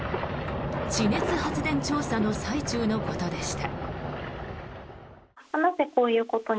地熱発電調査の最中のことでした。